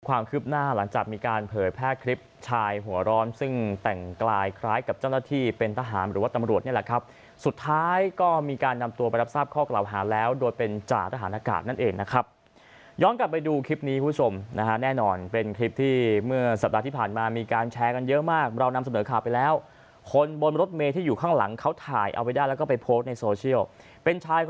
ลูกความคืบหน้าหลังจากมีการเผยแพลกคลิปชายหัวร้อน